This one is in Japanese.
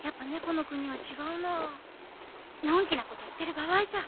のんきなこと言ってる場合じゃ。